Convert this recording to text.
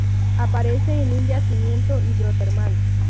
Aparece en un yacimiento hidrotermal.